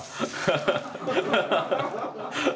ハハハハッ！